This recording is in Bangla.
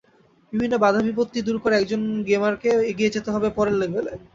বিভিন্ন বাধাবিপত্তি দূর করে একজন গেমারকে এগিয়ে যেতে হবে পরের লেভেলে।